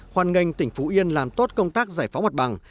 hoan nghênh tỉnh phú yên làm tốt công tác giải phóng mặt bằng